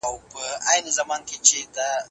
اسلامي ګوند او کمونست ګوند بېلابېل لیدلوري لري.